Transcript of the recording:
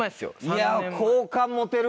いや。